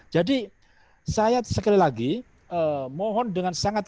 jadi saya sekali lagi mohon dengan sangat